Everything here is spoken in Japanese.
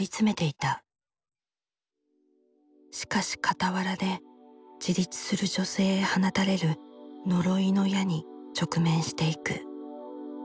しかし傍らで自立する女性へ放たれる呪いの矢に直面していく。